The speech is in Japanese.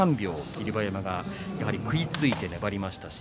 霧馬山が食いついて粘りました。